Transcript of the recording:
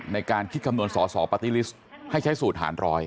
ในการคิดคำนวณสอสอปาร์ตี้ลิสต์ให้ใช้สูตรหาร๑๐๐